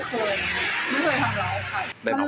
อาจจะมีเห่าบ้าง